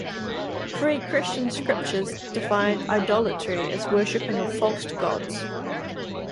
Pre-Christian scriptures defined idolatry as worshipping of false gods.